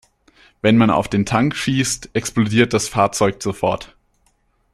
Wenn man auf den Tank schießt, explodiert das Fahrzeug sofort.